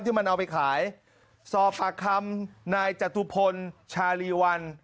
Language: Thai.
มันเอาไปขายสอบปากคำนายจตุพลชาลีวัน